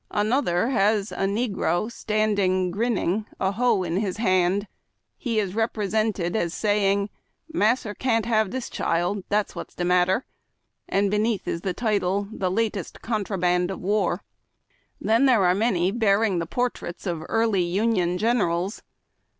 Another has a negro standing grinning, a hoe in his hand. He is repre sented as saying, " Massa can't have dis chile, dat's what's de matter "; and beneath is the title, " The latest contraband of war." Then there are many bearing the portraits of early Union generals.